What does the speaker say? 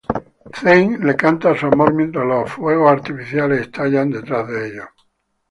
Zayn le canta a su amor mientras los fuegos artificiales estallan detrás de ellos.